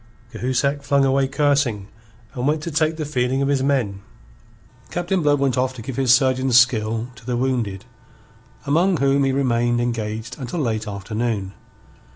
Cahusac flung away cursing, and went to take the feeling of his men. Captain Blood went off to give his surgeon's skill to the wounded, among whom he remained engaged until late afternoon.